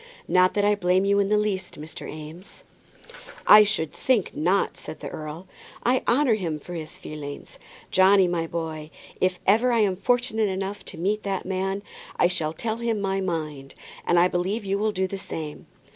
Not that I blame you in the least, Mr. Eames." "I should think not," said the earl. "I honour him for his feeling. Johnny, my boy, if ever I am unfortunate enough to meet that man, I shall tell him my mind, and I believe you will do the same."